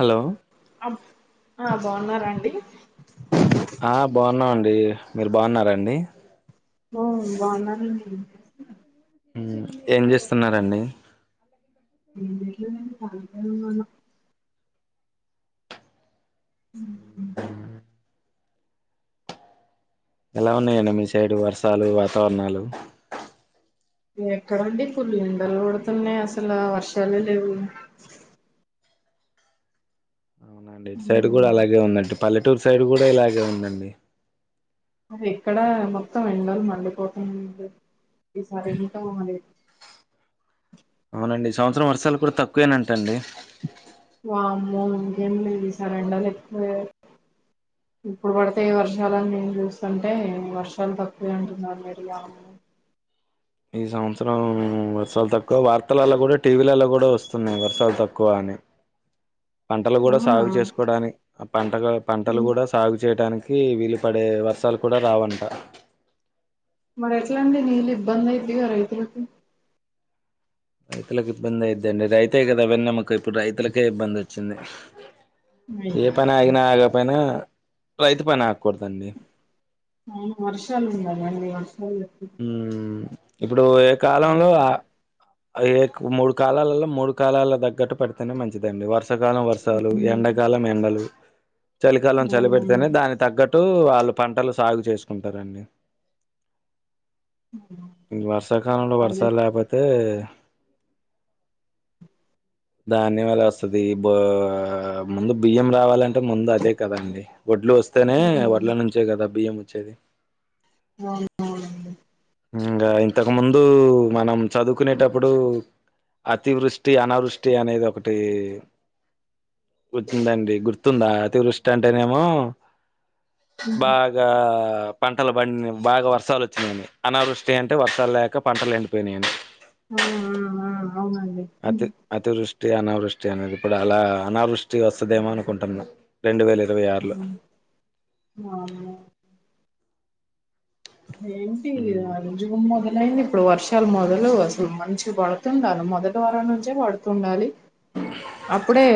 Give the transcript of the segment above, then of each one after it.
Hello బ్ ఆ బాగున్నారా అండి ఆ బాగున్నాం అండి మీరు బాగున్నార అండి ఓ వాన ఉ ఏం చేస్తున్నారండి ఏటిలో తళ హ ఎలా ఉన్నాయండి మీ సైడు వర్షాలు వాతావరణాలు ఎక్కడండి పుల్లు ఎండలు కొడుతున్నాయి అసలు వర్షాలే లేవు అవునండే ఇటు సైడ్ కూడా ఉమ్, అలాగే ఉందండి పల్లెటూరు సైడ్ కూడా ఇలాగే ఉందండి అది ఎక్కడ మొత్తం ఎండళ్లు మండిపోతు ఈ సారే నతే అవునండి ఈ సంవత్సరం వర్షాలు కూడా తక్కువేనంట అండి వామ్మో ఇంకేం లేదు సరెండర్లు ఎక్కువై ఇప్పుడు పడితే ఈ వర్షాలని నేను చూస్తుంటే వర్షాలు తక్కువ అంటున్నారు మీరుగా ఈ సంవత్సరం వర్షాలు తక్కువ వార్తలల్లో కూడా టీవీలలో కూడా వస్తున్నాయి వర్షాలు తక్కువ అని పంటలు కూడా అవునా సాగు చేసుకోవడానికి పంట పంటలు ఉమ్, కూడా సాగు చేయడానికి వీలు పడే వర్షాలు కూడా రావంట మరి ఎట్ల అండి నీళ్ళు ఇబ్బంది అవుతు రైతులకు రైతులకు ఇబ్బంది అయిద్ది అండి రైతే కదా వెన్నెముఖ ఇప్పుడు రైతులకే ఇబ్బంది వచ్చింది అయ్యో ఏ పని ఆగినా ఆగకపోయినా రైతు పని ఆగకూడదండి ఆ వర్షాలు ఉంద అండి ఉ ఇప్పుడు ఏ కాలంలో ఆ ఏ మూడు కాలాలల్లో మూడు కాలాల తగ్గట్టు పెడితేనే మంచిదండి వర్స వర్షాకాలం వర్షాలు ఎండాకాలం ఎండలు చలికాలం చలి అవును పెడితేనే దాని తగ్గట్టు వాళ్ళు పంటలు సాగు చేసుకుంటారండి వర్షాకాలంలో అదే వర్షాలు లేకపోతే దాన్ని వల్ల వస్తది బ ముందు బియ్యం రావాలంటే అంటే ముందు అదే కద అండి వడ్లు వస్తేనే ఉమ్ వడ్ల నుంచే కదా బియ్యం వచ్చేది అవున ఇంగా ఇంతకు ముందు మనం చదువుకునేటప్పుడు అతివృష్టి అనావృష్టి అనేది ఒకటి కోచ్చిందండి గుర్తుందా అతివృష్టి అంటేనేమో ఉమ్ బాగా పంటలు పంటల్ పం బాగా వర్షాలు వచ్చినయని అనావృష్టి అంటే వర్షాలేక పంటలు ఎండిపోయినాయని ఆ ఆ ఆ అవునండి ఉమ్ అతి అతివృష్టి అనావృష్ అనేది ఇప్పుడు అలా అనావృష్టి వస్తదేమో అనుకుంటున్నా రెండు వేల ఇరవై ఆరులో [inaudible] వామ్మో ఆహ్ఏమిటి హ్మ్. అ రోజుగున్న డైంది ఇప్పుడు వర్షాలు మొదలు అసలు మంచి పడుతుండాలి మొదటి వారం నుంచే పడుతుండాలి అప్పుడే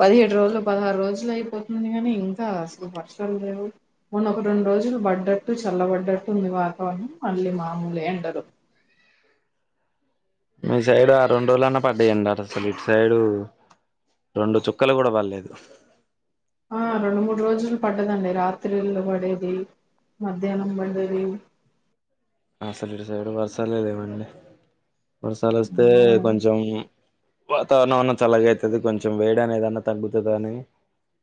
పదిహేడు రోజులు పదహారు రోజులు అయిపోతుంది గానీ ఇంకా అసలు వర్షాలు లేవు మొన్న ఒక రెండు రోజులు పడ్డట్టు చల్లబడ్డట్ టుంది వాతావరణం మళ్ళీ మామూలె ఎండలు మీ సైడు ఆ రెండు రోజులన్నా పడ్డాయండి అసలు ఇటు సైడు రొండు చుక్కలు కూడా బల్లెదు ఆ రెండు మూడు రోజులు పడ్డదండి రాత్రిలు పడేది మధ్యాహ్నం బండరి అసలు ఇటు సైడు వర్షలే లెవండి వర్షాలు వస్తే అమ్మో కొంచం వాతావరణం అన్న చల్లగయితది కొంచెం వేడనెదన్నా తగ్గుతదని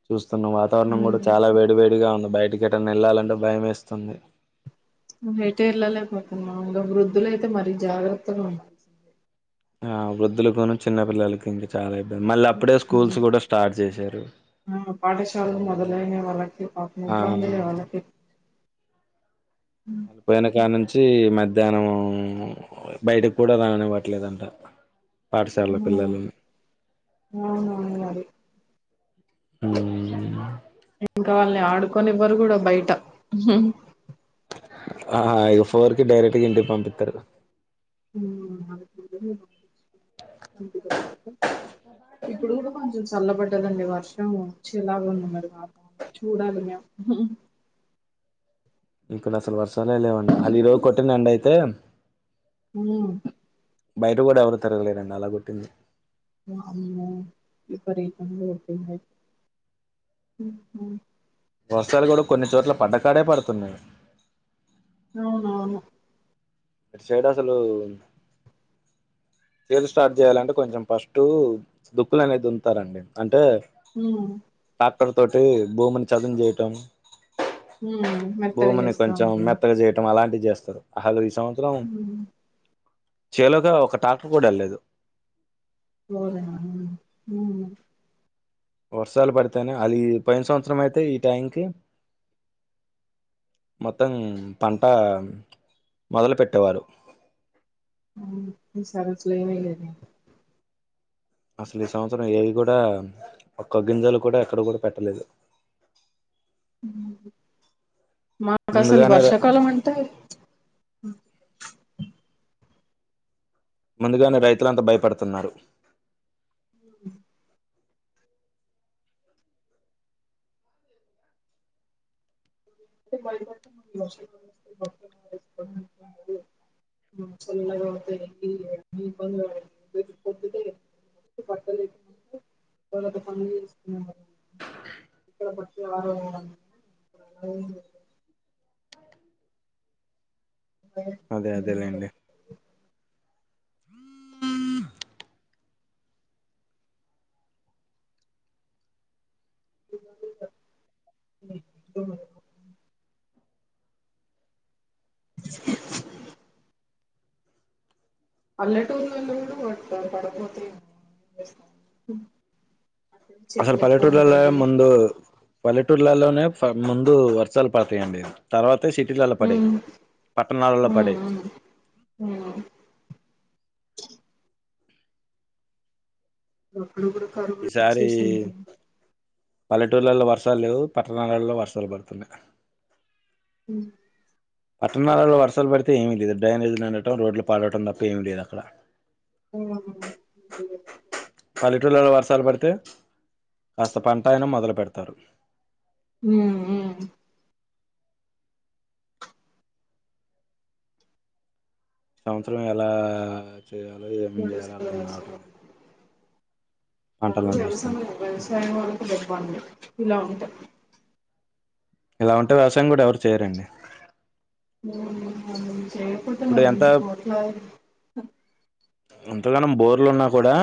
చూస్ తున్న వాతావరణం కూడా చాలా హ్మ్. వేడి వేడిగా ఉంది బయటికి ఎటనా వెళ్లాలంటే భయమేస్తుంది బైట వెళ్ళలేకపోతున్నా ఇంగ వృద్ధులు అయితే మరీ జాగ్రత్తలు ఆ వృద్ధులకును చిన్న పిల్లలకి ఇంకా చాలా మళ్ళ అప్పుడే హ్మ్. స్కూల్స్ కూడా స్టార్ట్ చేశారు ఆ పాఠశాలలు మొదలైనయ్ వాళ్ళకి పాపం ఆ ఇబ్బందులే వాళ్ళకి హ్మ్. వళ్ళపోయిన కాంనుంచి మధ్యాహ్నం బయటకు కూడా రానివ్వట్లేదంట పాఠశాల పిల్లలని అవునవును మరి ఉమ్ ఏంకావాల్ని ఆడుకొని ఎవ్వరు కూడా బయట ఆ ఇగ ఫోర్ కె డైరెక్ట్ ఇంటికి పంపిత్తరు ఉమ్ [inaudible] ఇప్పుడు కూడా కొంచెం చల్లబడ్డదం ఈ వర్షం వచ్చేలా ఉంది మరి వాతావరణం చూడాలి మేము ఇక్కడసలు వర్షాలే లేవండి అది ఈ రోజు కొట్టినండి అయితే అయ్యో బయటగుడా ఎవరు తిరగలేరండి అలా కొట్టింది వామ్మో విపరతంగా [unintelligible] ఉమ్హ వర్షలు కూడా కొన్ని చోట్ల పడ్డకాడే పడుతున్నాయ్ అవునవును ఇట్ సైడ్ అసలు చేల్ స్టార్ట్ చేయాలంటే కొంచెం ఫస్ట్ దుక్కులు అనేది దున్నుతారండి అంటే మిగనా అక్కడ తోటి భూమిని చదం చేయటం. హ్మ్ మెత్తగా భూమిని చేస్తా కొంచెం ఉంటాం మెత్తగా చేయటం అలాంటి జేస్తారు అలు ఈ సంవత్సరం హ్మ్ చేలోక ఒక టాక్ ప్పకూడ లేదు మోయన ఉ మొ వర్షాలు పడితేనే అది పోయిన సంవత్సరం అయితే ఈ టైంకి మొత్తం పంటా మొదలు పెట్టేవారు ఈసారి అసల ఏం వెయ్యలేదా? అసలు ఈ సంవత్సరం ఏవి కూడా ఒక్క గింజలు కూడా ఎక్కడ కూడా పెట్టలేదు. మాకసలు ముందుగానే వర్షకాలమంటే ముందుగానే రైతులంతా భయపడుతున్నారు. ఉ [inaudible] [unintelligible] ఇ బట్టలు తరక పనులు చేసుకునేళ్ళ ఇక్కడ పట్టి వారం ఇంగ లేదు అదే అదేలేండి [inaudible] సిగ్గేతుంది అల్లేటూరులోళ్ళు కూడా పట్టుకోత్తరు పోతే వేస్త అసలు పల్లెటూర్లలో ముందు పల్లెటూర్లలోనే ఫ ముందు వర్షాలు పతాయండి తర్వాత సిటీలలో పడే, పట్టణాలలో పడే అప్పుడు కూడా కరువు ఈసారి వచ్చేసింది. పల్లెటూర్లలో వర్షాలు లేవు. పట్టణాలలో వర్షాలు పడుతున్నాయి. అ పట్టణాలలో వర్సాలు పడితే ఏమీ లేదు. డ్రైనేజ్ నిండటం, రోడ్లు పాడటం తప్ప ఏమి లేదు అక్కడ. ఉ అమ్మన లేదు పల్లెటూళ్లలో వర్షాలు పడితే కాస్త పంట ఆయిన మొదలు పెడతారు. ఊ ఉమ్ సంవత్సరం ఎలా చేయాలో, ఏం చేయాలో గడుస్తూ అర్థం కావటం లేదు. మాములే పంటలను వ్యవస చూస్తుంటే వ్యవసాయం వాళ్ళకి ఇబ్బంది ఇలా ఉంటే ఇలా ఉంటే వ్యవసాయం కూడా ఎవరు చేయరండి. ఉమ్ చేయకపోతే ఇప్పుడు మళ్ళ ఎంత ఇంత కోట్ల ఎంతగానం బోర్లు ఉన్నా కూడా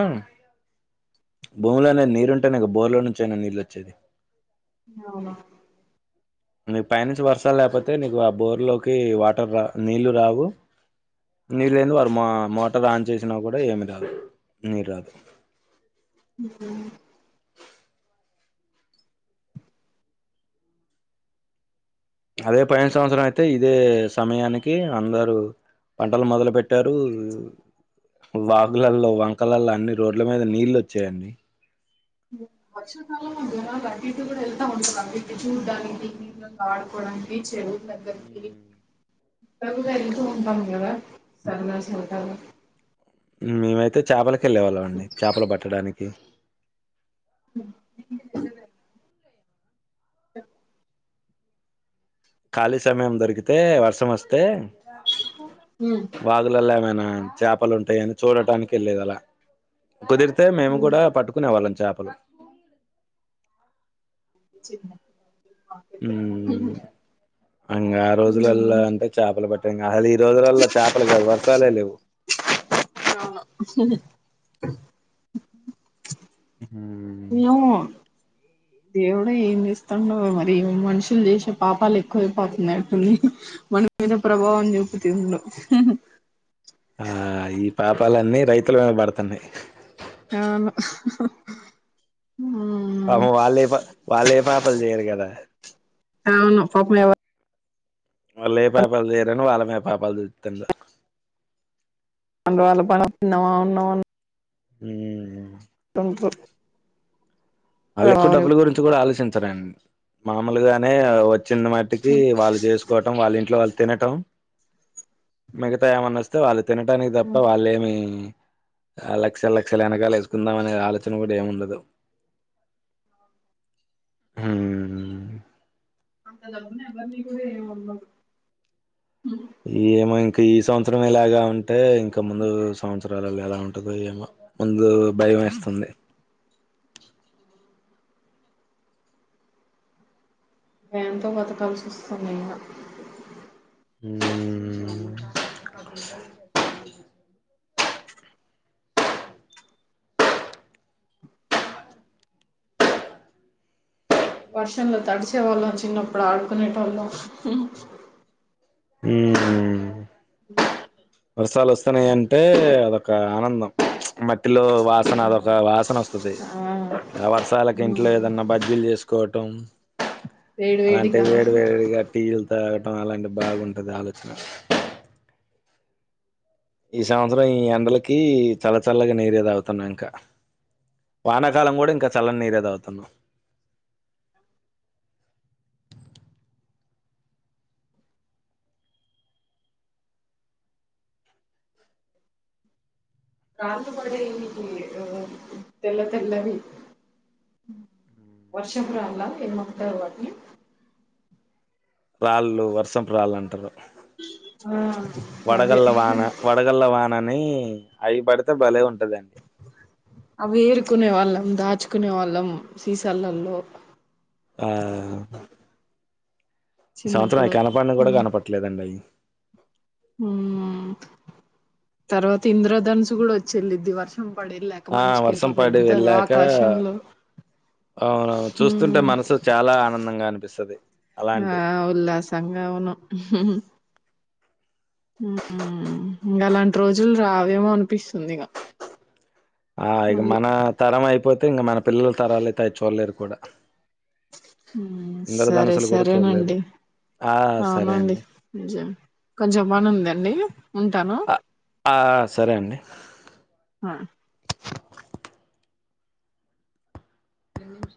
భూములో అనేది నీరుంటేనేక బోర్లో నుంచ అయినా నీళ్ళొచ్చేది. అవునవును నీకు పైనుంచి వర్షాలు లేకపోతే నీకు ఆ బోర్ లోకి వాటర్ రా నీళ్ళు రావు. నీరు లేంది వారు మా మోటార్ ఆన్ చేసినా కూడా ఏమి రాదు. నిరాదు హ అదే పోయిన సంవత్సరం అయితే ఇదే సమయానికి అందరు పంటలు మొదలు పెట్టారు వాగు్లళ్ళో వంకలళ్ళో అన్ని రోడ్ల మీద నీళ్ళు వచ్చాయండి బ వర్షాకాలం జనలు అటు ఇటు కూడా వెళ్తా ఉంటుంది ఇటు చూడ్డానికి ఆడుకోవడానికి చ్ చెరువు దగ్గరికి తరువుగా వెళ్తు ఉంటాం కదా సరద సరదగా మ్ మేమైతే చేపలకి వెళ్ళేవాళ్ళం అండి చేపలు పట్టడానికి వో ఆ ఖాళీ సమయం దొరికితే వర్షం వస్తే ఉమ్ వాగులల్లోమై న చేపలు ఉంటాయని చూడటానికి వెళ్ళేది అలా కుదిరితే మేము కూడా పట్టుకునే వాళ్ళం చేపలు ఇ మ్ ఇంగ ఆ రోజులళ్ళ అంటే చేపలు పట్ అసలు ఈ రోజులల్లో చేపలు కాదు వర్షాలే లేవు అవును ఏమొ ఆ దేవుడే ఏం చేస్తుండో మరి మనుషులు చేసే పాపాలు ఎక్కువైపోతున్నాయి అటుంది మన మీద ప్రభావం చూపుతుండు ఆ ఈ పాపాలన్నీ రైతులు మీద పడుతున్నాయి అవును పాపం వాళ్ళే ఏ పా వాళ్ళు ఏ పాపల్ చేయరు కదా అవును పాపం వాళ్ళు ఏ పాేపాలు తీయరని వాళ్ళ మీద పాేపాలు చూపుతుండు అంతే వాళ్ళ పని తిన్నామ ఉన్నామ మ్ టుంట్రూ వాళ్ళు ఎక్కువ డబ్బులుగురించి కూడా ఆలోచించరండి మామూలుగానే చిన్న మట్టికి వాళ్ళు చేసుకోవటం వాళ్ళ ఇంట్లో వాళ్ు తినటం మిగతా ఏమన్న వస్తే వాళ్ళు తినటానికి తప్ప అంత వాళ్ళేమి ఆ లక్షలు లక్షలు వెనకాల వేసుకుందాం అనే ఆలోచన కూడా ఏమి ఉండదు అం అంత జరిగిన ఎవరిని కూడా ఏమనరు ఏమో ఇం ఇంకా ఈ సంవత్సరమే ఇలాగా ఉంటే ఇంక ముందు సంవత్సరాలళ్ళో ఎలా ఉంటదుో ఏమో ముందు బయ మేస్తుంది భయంతో బతకాల్సి వస్తుంది అయినా మ్ వర్షంలో తడిచేవాళ్ళం చిన్నప్పుడు ఆడుకునేటోళ్ళం మ్ అ వర్షాలు వస్తున్నాయి అంటే అదొక ఆనందం మట్టిలో వాసన అదొక వాసనోస్తది ఆ ఆ వర్షాలకు ఇంట్లో ఏదన్నా బజ్జీలు చేసుకోవటం వేడి అలాంటిే వేడిగా వేడి వేడిగా టీలు తాగ్ టం అలాంటి బాగుంటది ఆలోచన ఈ సంవత్సరం ఈ ఎండలకీ చల్ల చల్లగా నీరే తాగుతున్నా ఇంకా వానాకాలం గుడా ఇంకా చల్లని నీరే తాగుతాను. అ రాళ్ళు పడి [inaudible] తెల్ల తెల్లవి వర్షంపు రాళ్ళ ఏం అంటారు వాటిని రాళ్ళు వర్షపు రాళ్ళంటరు. ఆ అదే వడగల్ల వాన వడగల్ల వాననీ అయి పడ్తే భలే ఉం అవి ఏరుకునే వాళ్ళం దాచు కునే వాళ్ళం సీసాలల్లో ఆ ఈ సంవత్సరం అయి చిన్నప్పుడు కనపడన్ కూడా కనపట్లేదండి అయి మ్ తర్వాత ఇంద్రధనుస్సు గుడా వచ్చేలిద్ది వర్షం పడేది లేక ఆ మంచిగ్ ఇంట్లో వర్షం పెద్దగా ఆకాశంలో అవునవు చూస్తుంటే హ్మ్ మనసు చాలా ఆనందంగా అనిపిస్తది ఆ అలాంటి ఉల్లాసంగా అవును మ్ ఇంగ అలాంటి రోజుల్ రావేమో అనిపిస్తుంది ఇగ ఆ ఇగ మళ్ళీ మన తరం అయిపోతే ఇంగ మన పిల్లల తరాలైతే అయి చూడలేరు కూడా మ్ సరే ఇంద్రధనస్సులు కూడా చూడలేరు. సరేనండి. ఆ! సరే అవునండి అండి. నిజమే కొంచం పనుందండి. ఉంటాను ఆ సరే అండి. అ